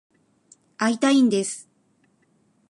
会いたいんです。